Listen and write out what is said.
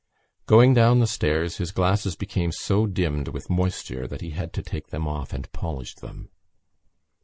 _ Going down the stairs his glasses became so dimmed with moisture that he had to take them off and polish them.